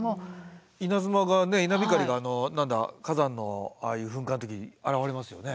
稲妻が稲光が火山のああいう噴火の時現れますよね。